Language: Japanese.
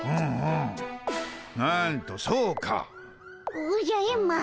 おじゃエンマ。